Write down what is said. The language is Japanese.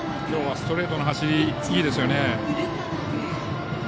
きょうはストレートの走りいいですよね。